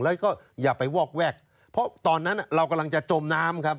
แล้วก็อย่าไปวอกแวกเพราะตอนนั้นเรากำลังจะจมน้ำครับ